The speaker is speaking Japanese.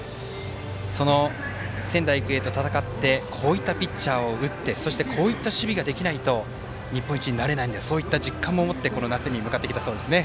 その仙台育英と戦ってこういったピッチャーを打ってこういった守備ができないと日本一になれないんだという実感を持ってこの夏に向かってきたそうですね。